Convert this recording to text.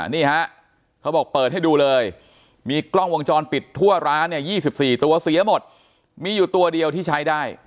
นี่ฮะเขาบอกเปิดให้ดูเลยมีกล้องวงจรปิดทั่วร้านเนี่ย๒๔ตัวเสียหมดมีอยู่ตัวเดียวที่ใช้ได้